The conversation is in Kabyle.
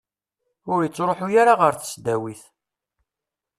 Ur ittruḥu ara ɣer tesdawit.